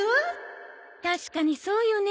確かにそうよね。